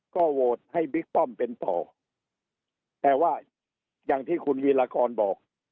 ก็โหวตให้บิ๊กป้อมเป็นต่อแต่ว่าอย่างที่คุณวีรากรบอก